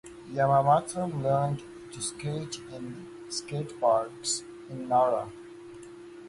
Yamamoto learned to skate in skateparks in Nara.